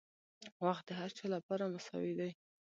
• وخت د هر چا لپاره مساوي دی.